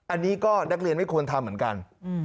อันนี้ก็นักเรียนไม่ควรทำเหมือนกัน